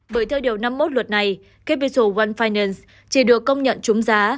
bởi theo điều năm mươi một luật này capital one finance chỉ được công nhận trúng giá